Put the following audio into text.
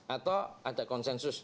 atau ada konsensus